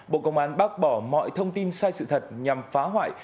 bộ công an bác bỏ mọi thông tin sai sự thật nhằm phá hoại